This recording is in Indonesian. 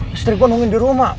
istri gue nungguin di rumah